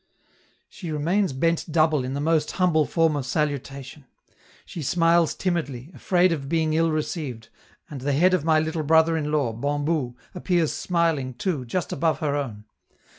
She remains bent double in the most humble form of salutation; she smiles timidly, afraid of being ill received, and the head of my little brother in law, Bambou, appears smiling too, just above her own.